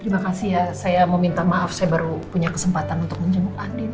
terima kasih ya saya mau minta maaf saya baru punya kesempatan untuk menjemput andi